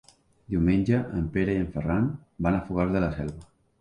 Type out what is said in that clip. Diumenge en Pere i en Ferran van a Fogars de la Selva.